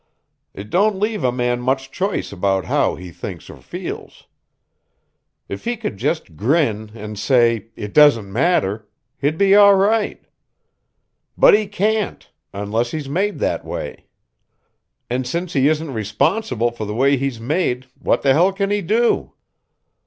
It don't leave a man much choice about how he thinks or feels. If he could just grin and say 'It doesn't matter', he'd be all right. But he can't, unless he's made that way. And since he isn't responsible for the way he's made, what the hell can he do?"